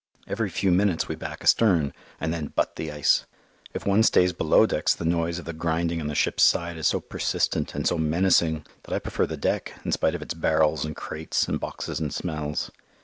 Every few minutes we back astern, and then butt the ice. If one stays below decks the noise of the grinding on the ship's side is so persistent and so menacing that I prefer the deck in spite of its barrels and crates and boxes and smells.